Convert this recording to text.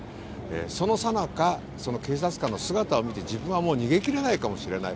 そのさなか、警察官の姿を見て自分はもう逃げきれないかもしれない。